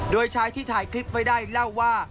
โดยชายที่ถ่ายคลิปไว้ได้เล่าว่า